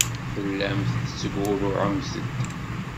Tellamt tettgurruɛemt-d.